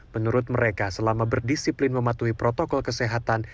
menurut mereka selama berdisiplin mematuhi protokol kesehatan